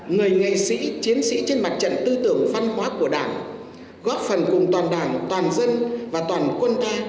người nghệ sĩ chiến sĩ trên mặt trận tư tưởng văn hóa của đảng góp phần cùng toàn đảng toàn dân và toàn quân ta